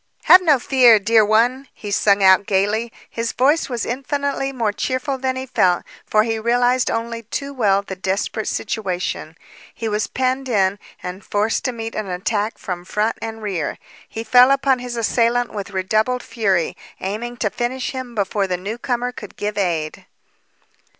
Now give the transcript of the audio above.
"Have no fear, dear one!" he sung out gaily. His voice was infinitely more cheerful than he felt, for he realized only too well the desperate situation; he was penned in and forced to meet an attack from front and rear. He fell upon his assailant with redoubled fury, aiming to finish him before the newcomer could give aid.